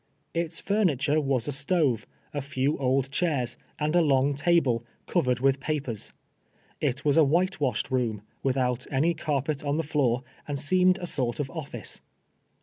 Its furniture was a stove, a few old chairs, and a long table, covered with papers. It was a white washed room, without any carpet on the floor, and seemed a sort of office.